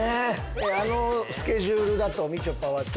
あのスケジュールだとみちょぱはちょっと。